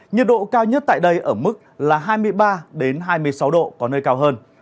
nhiệt độ cao nhất tại đây ở mức là hai mươi ba hai mươi sáu độ có nơi cao hơn